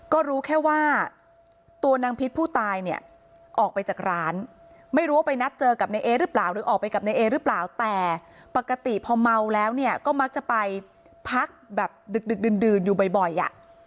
ก็รู้แค่ว่าตัวนางพิษผู้ตายเนี่ยออกไปจากร้านไม่รู้ว่าไปนัดเจอกับนายเอหรือเปล่าหรือออกไปกับนายเอหรือเปล่าแต่ปกติพอเมาแล้วเนี่ยก็มักจะไปพักแบบดึกดื่นอยู่บ่อยอ่ะ